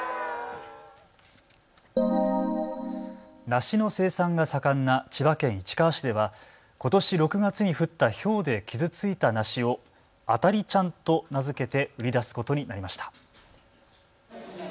梨の生産が盛んな千葉県市川市では、ことし６月に降ったひょうで傷ついたた梨をあた梨ちゃんと名付けて売り出すことになりました。